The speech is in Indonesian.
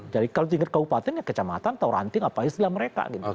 jadi kalau tingkat kaupaten ya kecamatan tauranting apa istilah mereka